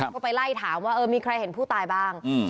ก็ไปไล่ถามว่าเออมีใครเห็นผู้ตายบ้าง